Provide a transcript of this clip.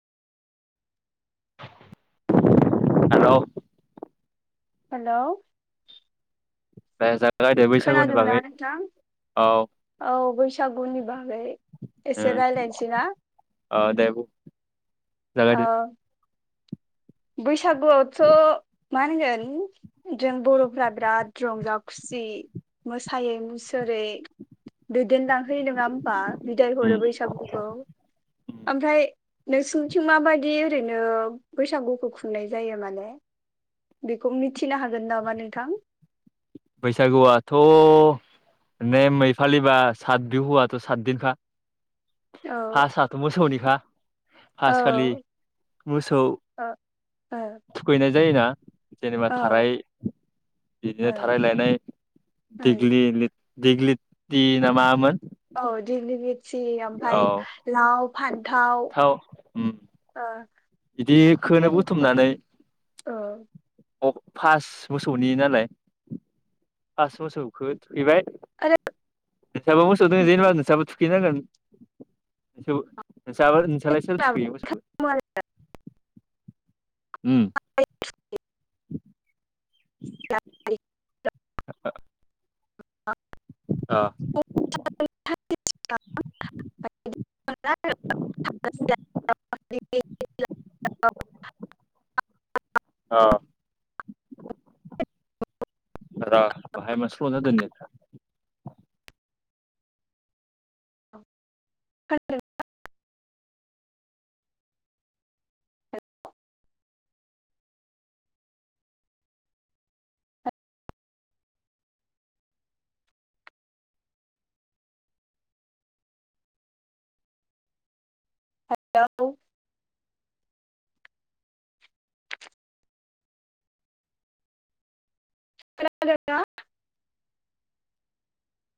Hello hello दे जा खोनादोंना नोंथां। औ औ बैसागुनि बागै एसे रायलायसै ना। ओ दे बु औ बैसागुआवथ' मा होनगोन जों बर'फ्रा बिराद रंजा खुसि सि मोसायै मुसुरै दैदेन लां है नङा होमबा? बिदाय उम हरो बैसागुखौ ओमफ्राय नोंसिनिथिं माबायदि ओरैनो बैसागुखौ खुंनाय जायो माने। बेखौ मिथिनो हागोन नामा नोंथां? बैसागुआथ' नै मै फालिबा सात बिहुआाथ' सातदिनखा। औ फासाथ' मोसौनिखा। औ फास खालि मोसौ ओ थुखैनाय जायोना? जेनेबा ओ थाराय ओ [unintelligible] थारायलायनाय ओं दिग्लि लिट दिग्लि थ ना मामोन? औ दिग्लिटि औ ओफाय लाव फान्थाव ओ इदिखोनो ओमफ्राय बुथुमनानै ओ अ' फास बोसौनि नालाय फास बोसोरखो फैबाय आरो नोंसाबो मोसौ दो जेनेबा नोंसाबो थुखैनांगोन। थेव नोंसा नोंसोरलाय सोर जोंना थुखैयो मोसौखौलाय? उम [unintelligible] [inaudible] [unintelligible] आ [unintelligible] ओ रन बाहाय मा सल' जादों नेटा [unintelligible] हेलौ खोनादोंना?